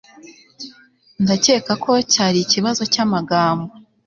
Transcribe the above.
ndakeka ko cyari ikibazo cyamagambo